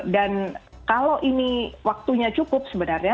dan kalau ini waktunya cukup sebenarnya